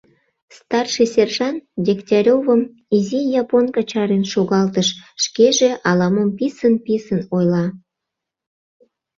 Старший сержант Дегтяревым изи японка чарен шогалтыш, шкеже ала-мом писын-писын ойла.